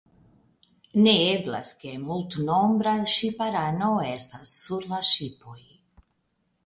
Ne eblas ke multnombra ŝipanaro estas sur la ŝipoj.